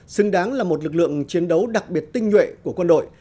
xứng đáng là một lực lượng chiến đấu đặc biệt tinh nhuệ của quân đội